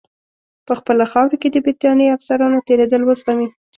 په خپله خاوره کې د برټانیې افسرانو تېرېدل وزغمي.